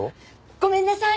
ごめんなさい！